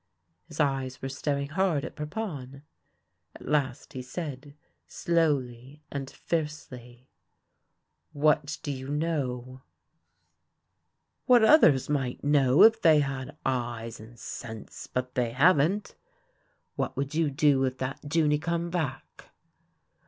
His eyes were staring hard at Parpon. At last he said slowly and fiercely :" What do you know ?" ii6 THE LANE THAT HAD NO TURNING " What others might know if they had eyes and sense ; but they haven't. What would you do if that Junie come back